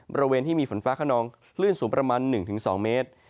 บริเวณที่มีฝนฟ้าขนองคลื่นสูงประมาณ๑๒เมตร